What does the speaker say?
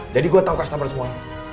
jadi gua tahu kustomer semua